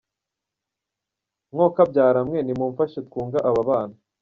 Mwokabyara mwe, nimumfashe twunge aba bana.